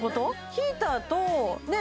ヒーターとね